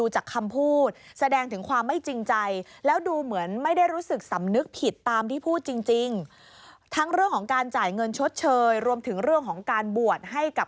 จากคำพูดแสดงถึงความไม่จริงใจแล้วดูเหมือนไม่ได้รู้สึกสำนึกผิดตามที่พูดจริงทั้งเรื่องของการจ่ายเงินชดเชยรวมถึงเรื่องของการบวชให้กับ